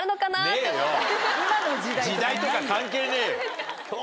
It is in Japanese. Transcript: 時代とか関係ねえよ。